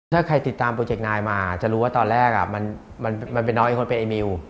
ถ้าใครติดตามโปรเจกต์นายมาจะรู้ว่าตอนแรกมันเป็นน้องอีกคนเป็นไอ้มิว